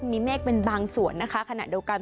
มีเมฆเป็นบางส่วนนะคะขณะเดียวกัน